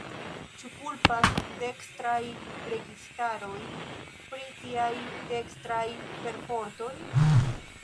Ĉu kulpas dekstraj registaroj pri tiaj dekstraj perfortoj?